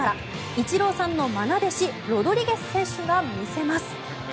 イチローさんのまな弟子ロドリゲス選手が見せます。